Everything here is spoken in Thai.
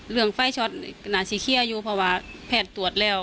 เรื่องไฟช็อตหน้าซีเคียอยู่เพราะว่าแพทย์ตรวจแล้ว